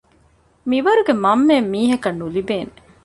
މިވަރުގެ މަންމައެއް މީހަކަށް ނުލިބޭނެ